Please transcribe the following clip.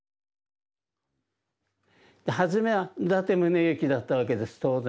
初めは伊達宗行だったわけです当然。